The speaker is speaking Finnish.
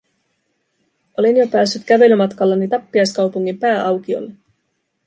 Olin jo päässyt kävelymatkallani tappiaiskaupungin pääaukiolle.